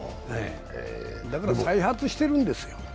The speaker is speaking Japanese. だから、再発してるんです。